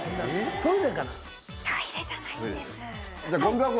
トイレじゃないんです。